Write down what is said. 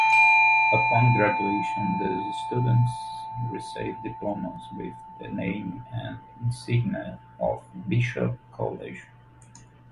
Upon graduation, these students receive diplomas with the name and insignia of Bishop College.